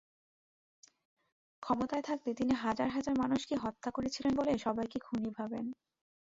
ক্ষমতায় থাকতে তিনি হাজার হাজার মানুষকে হত্যা করেছিলেন বলেই সবাইকে খুনি ভাবেন।